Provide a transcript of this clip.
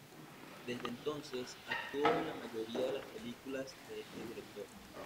Desde entonces actuó en la mayoría de las películas de este director.